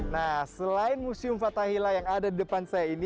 nah selain museum fathahila yang ada di depan saya ini